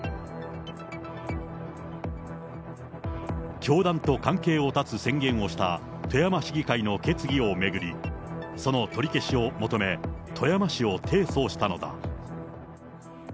教団と関係を断つ宣言をした富山市議会の決議を巡り、その取り消しを求め、富山市を提訴したのだ。